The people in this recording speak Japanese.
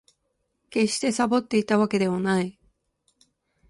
決してサボっていたわけではない